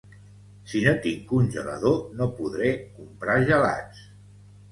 Si no tinc congelador no podré comprar gelats